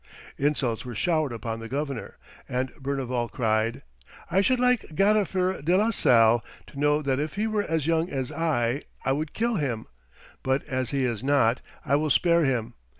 Insults were showered upon the governor, and Berneval cried, "I should like Gadifer de la Salle to know that if he were as young as I, I would kill him, but as he is not, I will spare him.